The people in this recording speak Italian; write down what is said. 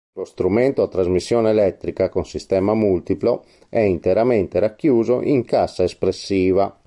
Lo strumento, a trasmissione elettrica con sistema multiplo, è interamente racchiuso in cassa espressiva.